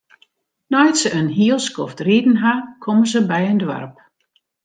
Nei't se in hiel skoft riden ha, komme se by in doarp.